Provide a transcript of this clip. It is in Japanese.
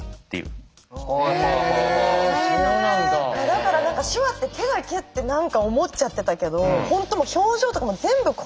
だから何か手話って手だけって何か思っちゃってたけど本当表情とかも全部込みなんですね。